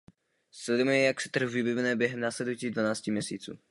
Sledujme, jak se trh vyvine během následujících dvanácti měsíců.